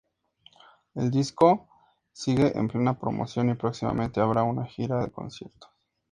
El disco sigue en plena promoción y próximamente habrá una gira de conciertos.